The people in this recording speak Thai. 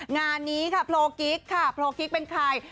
งานนี้ค่ะโพลกิ๊กค่ะโพลกิ๊กเป็นใคร